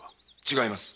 違います。